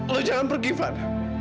lo jangan pergi taufan